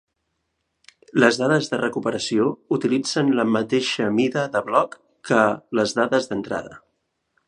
Les dades de recuperació utilitzen la mateixa mida de bloc que les dades d'entrada.